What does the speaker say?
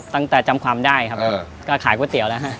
ตั้งแต่จำความได้ครับก็ขายก๋วยเตี๋ยวล่ะฮะ